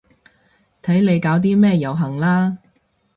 睇你搞啲咩遊行啦